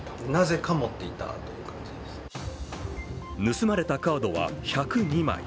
盗まれたカードは１０２枚。